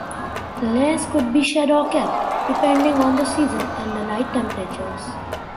Layers could be shed or kept, depending on the season and the night temperatures.